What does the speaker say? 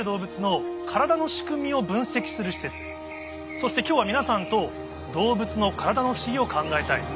そして今日は皆さんと動物の体の不思議を考えたい。